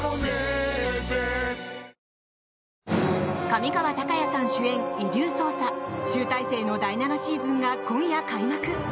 上川隆也さん主演「遺留捜査」集大成の第７シーズンが今夜開幕！